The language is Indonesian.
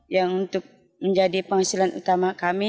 yang untuk menjadi penghasilan utama kami